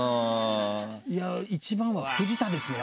いや一番は藤田ですねやっぱり。